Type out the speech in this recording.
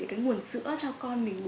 để cái nguồn sữa cho con mình bú